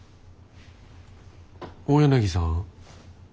大柳さん。